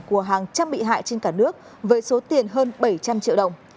của hàng trăm bị hại trên cả nước với số tiền hơn bảy trăm linh triệu đồng